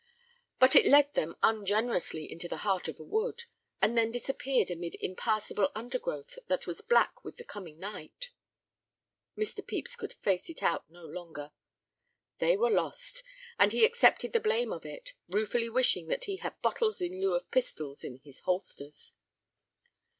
But it led them ungenerously into the heart of a wood, and then disappeared amid impassable undergrowth that was black with the coming night. Mr. Pepys could face it out no longer. They were lost, and he accepted the blame of it, ruefully wishing that he had bottles in lieu of pistols in his holsters.